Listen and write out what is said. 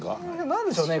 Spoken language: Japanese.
なんでしょうね？